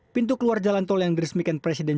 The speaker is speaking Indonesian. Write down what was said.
pintu keluar jalan tol yang diresmikan presiden